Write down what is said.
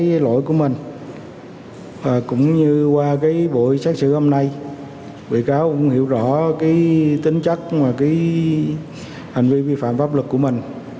với cái lỗi của mình cũng như qua cái buổi xét xử hôm nay bị cáo cũng hiểu rõ cái tính chất và cái hành vi vi phạm pháp luật của mình